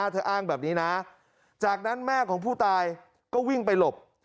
อ้างแบบนี้นะจากนั้นแม่ของผู้ตายก็วิ่งไปหลบ